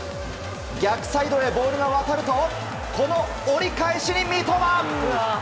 逆サイドへボールが渡るとこの折り返しに三笘！